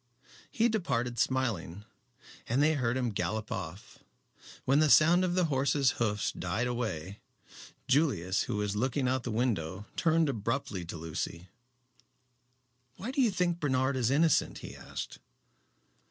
He departed smiling, and they heard him gallop off. When the sound of the horse's hoofs died away, Julius, who was looking out of the window, turned abruptly to Lucy. "Why do you think Bernard is innocent?" he asked.